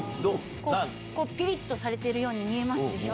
ピリっとされてるように見えますでしょ？